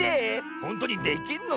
ほんとにできんの？